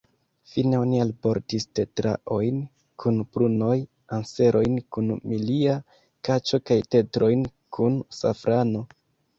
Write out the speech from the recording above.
Fine oni alportis tetraojn kun prunoj, anserojn kun milia kaĉo kaj tetrojn kun safrano.